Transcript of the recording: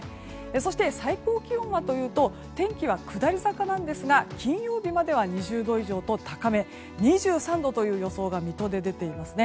そして最高気温はというと天気は下り坂なんですが金曜日までは２０度以上と高め２３度という予想が水戸で出ていますね。